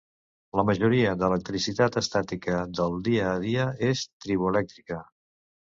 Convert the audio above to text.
La majoria d"electricitat estàtica del dia a dia és triboelèctrica.